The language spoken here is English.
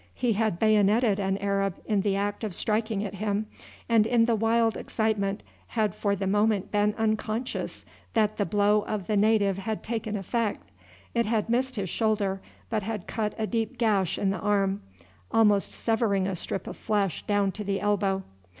He had bayoneted an Arab in the act of striking at him, and in the wild excitement had for the moment been unconscious that the blow of the native had taken effect. It had missed his shoulder, but had cut a deep gash in the arm, almost severing a strip of flesh down to the elbow.